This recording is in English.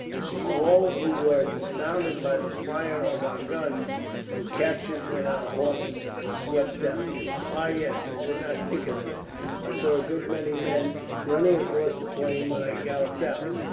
You see, all who were dismounted by the fire of our guns were captured when our horse swept down." "Ah, yes! I did not think of that. I saw a good many men running across the plain when I galloped out."